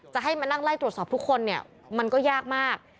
จะให้มานั่งไล่ตรวจสอบทุกคนเนี่ยมันก็ยากมาก